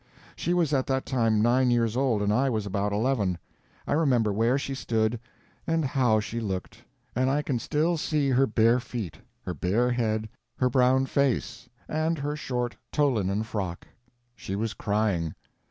She was at that time nine years old, and I was about eleven. I remember where she stood, and how she looked; and I can still see her bare feet, her bare head, her brown face, and her short tow linen frock. She was crying.